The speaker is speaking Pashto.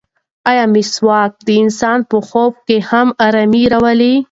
ایا مسواک د انسان په خوب کې هم ارامي راولي؟